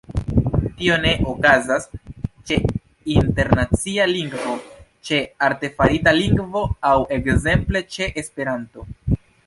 Tio ne okazas ĉe internacia lingvo, ĉe artefarita lingvo aŭ ekzemple ĉe Esperanto.